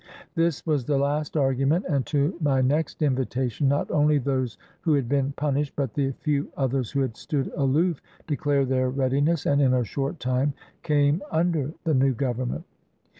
This was the last argument, and to my next invitation not only those who had been punished, but the few others who had stood aloof, declared their readiness, and in a short time came under the new government.